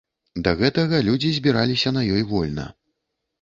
Да гэтага людзі збіраліся на ёй вольна.